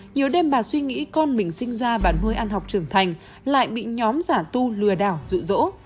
nhiều đêm bà suy nghĩ con mình sinh ra bà nuôi ăn học trưởng thành lại bị nhóm giả tu lừa đảo rụ rỗ